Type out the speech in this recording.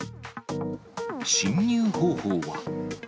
侵入方法は。